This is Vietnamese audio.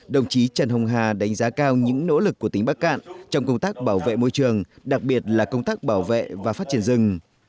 đồng chí trần hồng hà đánh giá cao những nỗ lực của tỉnh bắc cạn trong công tác bảo vệ môi trường đặc biệt là công tác bảo vệ và phát triển rừng